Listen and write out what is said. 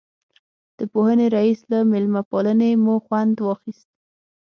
د پوهنې رئیس له مېلمه پالنې مو خوند واخیست.